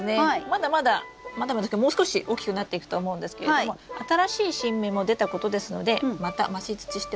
まだまだまだまだですけどもう少し大きくなっていくと思うんですけれども新しい新芽も出たことですのでまた増し土しておきましょうか。